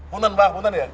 buntun mbah buntun ya